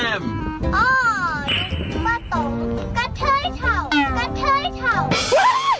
อ้อนุ้นป้าตก